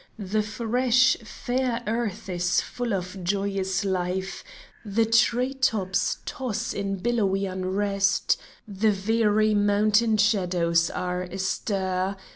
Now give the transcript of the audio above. The fresh, fair earth is full of joyous life ; The tree tops toss in billowy unrest ; The very mountain shadows are astir